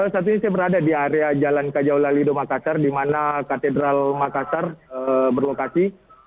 saat ini saya berada di area jalan kajau lalido makassar di mana katedral makassar berlokasi